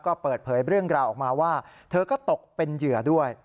ก็เปิดเผยเรื่องราวออกมาว่าเธอก็ตกเป็นเหยื่อด้วย